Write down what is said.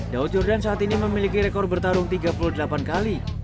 daud jordan saat ini memiliki rekor bertarung tiga puluh delapan kali